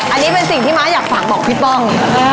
อันนี้เป็นสิ่งที่ม้าอยากฝากบอกพี่ป้อง